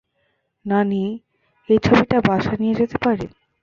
নানি, এই ছবিটা বাসা নিয়ে যেতে পারি?